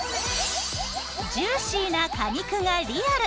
ジューシーな果肉がリアル！